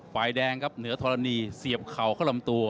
ฝ่ายแดงครับเหนือธรณีเสียบเข่าเข้าลำตัว